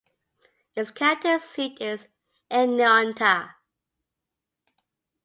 Its county seat is Oneonta.